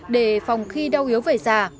để phòng khi đau yếu về già